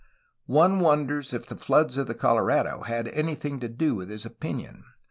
One wonders if the floods of the Colorado had anything to do with his opinion.